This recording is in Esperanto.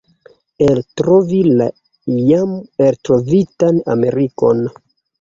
eltrovi la jam eltrovitan Amerikon!